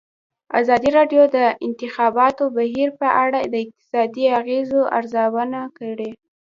ازادي راډیو د د انتخاباتو بهیر په اړه د اقتصادي اغېزو ارزونه کړې.